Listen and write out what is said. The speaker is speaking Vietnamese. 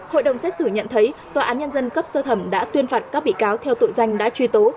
hội đồng xét xử nhận thấy tòa án nhân dân cấp sơ thẩm đã tuyên phạt các bị cáo theo tội danh đã truy tố